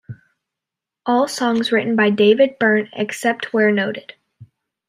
All songs written by David Byrne except where noted.